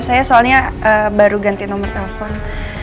saya soalnya baru ganti nomor telepon